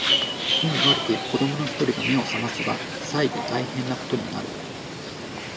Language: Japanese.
運悪く子供の一人が眼を醒ますが最後大変な事になる